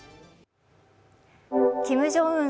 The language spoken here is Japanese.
キム・ジョンウン